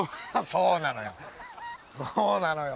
そうなのよ。